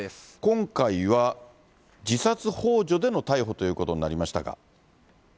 今回は自殺ほう助での逮捕ということになりましたが。